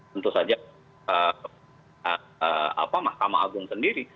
tentu saja mahkamah agung sendiri